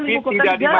ini kan ibu kota negara